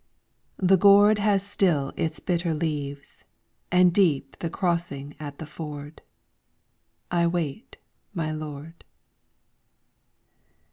The gourd has still its bitter leaves, And deep the crossing at the ford. I wait my lord.